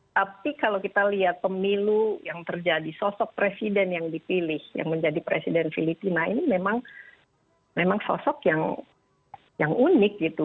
tapi kalau kita lihat pemilu yang terjadi sosok presiden yang dipilih yang menjadi presiden filipina ini memang sosok yang unik gitu